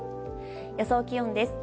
予想気温です。